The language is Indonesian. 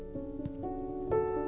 ketika mereka berpikir